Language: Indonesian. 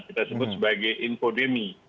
kita sebut sebagai infodemi